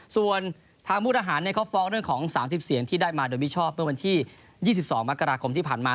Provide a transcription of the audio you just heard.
ส่วนทางมุทหารเขาฟ้องเรื่องของ๓๐เสียงที่ได้มาโดยมิชอบเมื่อวันที่๒๒มกราคมที่ผ่านมา